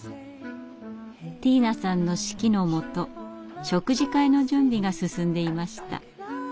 ティーナさんの指揮のもと食事会の準備が進んでいました。